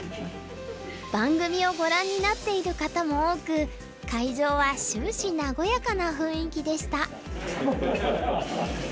番組をご覧になっている方も多く会場は終始和やかな雰囲気でした。